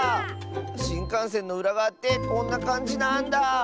しんかんせんのうらがわってこんなかんじなんだ。